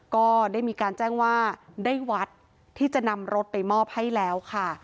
ก็ได้มีการแจ้งว่าได้วัดที่จะนำรถไปมอบให้แล้วค่ะ